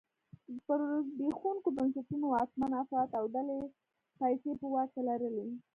پر زبېښونکو بنسټونو واکمن افراد او ډلې پیسې په واک کې لري.